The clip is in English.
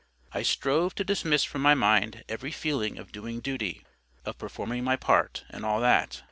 I strove to dismiss from my mind every feeling of DOING DUTY, of PERFORMING MY PART, and all that.